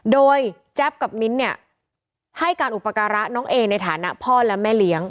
โดยแจ๊บกับมิ้นเนี่ยให้การอุปการะน้องเอในฐานะพ่อและแม่เลี้ยง